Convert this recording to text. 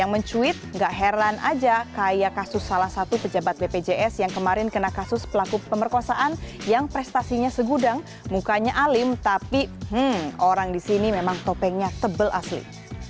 tidak heran saja kasus salah satu pejabat bpjs yang kemarin kena kasus pelaku pemerkosaan yang prestasinya segudang mukanya alim tapi orang di sini memang topengnya tebal asli